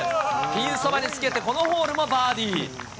ピンそばにつけて、このホールもバーディー。